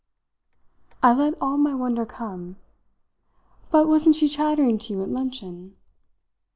I let all my wonder come. "But wasn't she chattering to you at luncheon?"